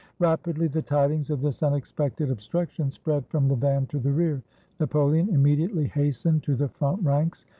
Rapidly the tidings of this unexpected obstruction spread from the van to the rear. Napoleon immediately 125 ITALY hastened to the front ranks.